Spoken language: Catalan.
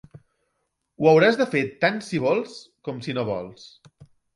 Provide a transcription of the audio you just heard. Ho hauràs de fer tant si vols com si no vols.